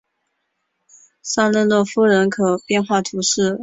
萨勒诺夫人口变化图示